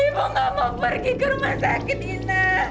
ibu nggak mau pergi ke rumah sakit ina